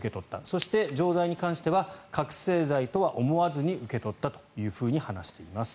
そして、錠剤に関しては覚醒剤とは思わずに受け取ったと話しています。